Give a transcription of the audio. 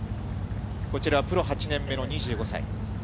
こちら、プロ８年目の２５歳。